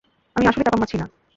আমি আসলেই চাপা মারছি না!